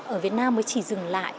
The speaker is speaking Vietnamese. ở việt nam mới chỉ dừng lại